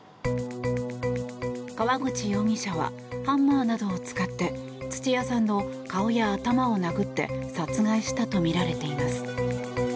川口容疑者はハンマーなどを使って土屋さんの顔や頭を殴って殺害したとみられています。